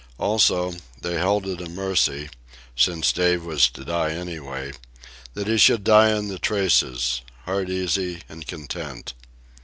Also, they held it a mercy, since Dave was to die anyway, that he should die in the traces, heart easy and content.